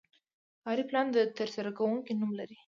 کاري پلان د ترسره کوونکي نوم لري.